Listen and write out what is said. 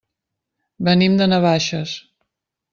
Venim de Navaixes.